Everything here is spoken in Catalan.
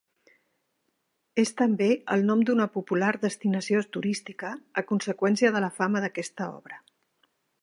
És també el nom d'una popular destinació turística a conseqüència de la fama d'aquesta obra.